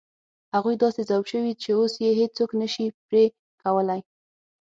هغوی داسې ذوب شوي چې اوس یې هېڅوک نه شي پرې کولای.